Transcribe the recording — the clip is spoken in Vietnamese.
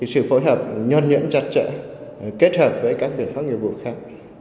sự phối hợp nhôn nhẫn chặt chẽ kết hợp với các biện pháp nhiệm vụ khác